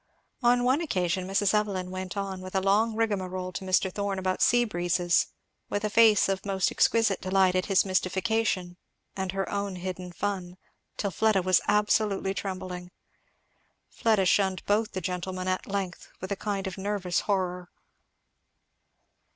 On one occasion Mrs. Evelyn went on with a long rigmarole to Mr. Thorn about sea breezes, with a face of most exquisite delight at his mystification and her own hidden fun; till Fleda was absolutely trembling. Fleda shunned both the gentlemen at length with a kind of nervous horror.